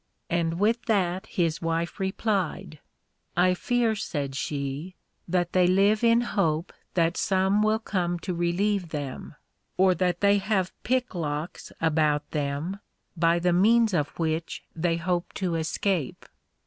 And with that his Wife replied, I fear, said she, that they live in hope that some will come to relieve them, or that they have pick locks about them, by the means of which they hope to escape.